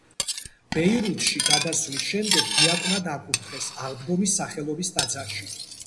ბეირუთში გადასვლის შემდეგ დიაკვნად აკურთხეს აღდგომის სახელობის ტაძარში.